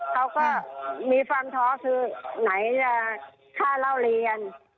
เขาก็มีความท้อคือไหนจะค่าเล่าเรียน